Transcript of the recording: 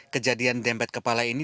kejadian dempet kepala ini